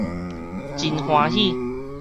真歡喜